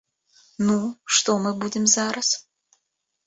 Ну, што мы будзем зараз!